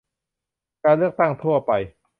การเลือกตั้งทั่วไป